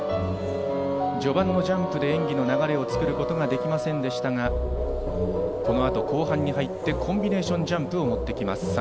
序盤のジャンプで演技の流れを作ることができませんでしたが、このあと後半に入って、コンビネーションジャンプを持ってきます。